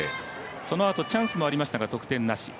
そのあとチャンスもありましたが得点なし。